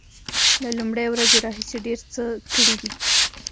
له لومړۍ ورځې راهیسې ډیر څه کړي دي